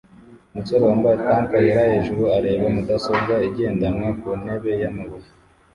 Umusore wambaye tank yera hejuru areba mudasobwa igendanwa ku ntebe yamabuye